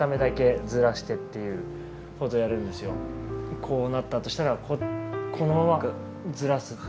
こうなったとしたらこのままずらす。